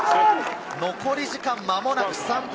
残り時間、間もなく３分。